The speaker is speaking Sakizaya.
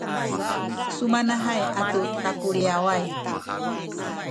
sumanahay atu takuliyaway